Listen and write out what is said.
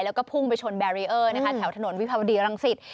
แล้วก็พุ่งไปชนแบรียอร์แถวถนนวิพาวดีรังสิทธิ์